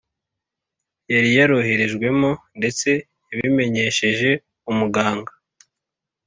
yari yaroherejwemo ndetse yabimenyesheje umuganga